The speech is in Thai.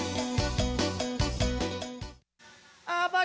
บรรพีเพศบุหร์บแฮค